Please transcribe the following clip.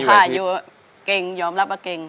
ค่าอยู่เก่งยอมรับมาเก่ง